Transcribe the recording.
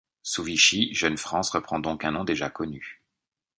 Sous Vichy Jeune France reprend donc un nom déjà connu.